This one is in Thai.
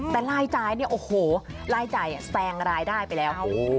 แต่รายจ่ายเนี่ยโอ้โหรายจ่ายแซงรายได้ไปแล้ว